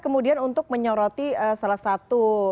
kemudian untuk menyoroti salah satu